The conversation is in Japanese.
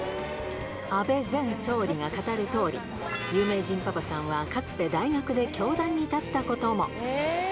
安倍前総理が語るとおり、有名人パパさんはかつて大学で教壇に立ったことも。